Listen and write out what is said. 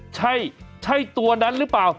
ใช่ใช่ตัวนั้นหรือเปล่า